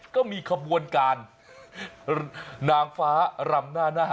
ก็มีขบวนการนางฟ้ารำหน้าหน้า